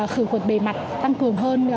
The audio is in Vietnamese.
khử khuẩn bề mặt tăng cường hơn